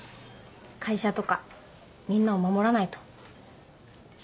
会社とかみんなを守らないと。